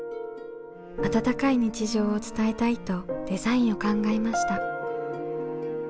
温かい日常を伝えたいとデザインを考えました。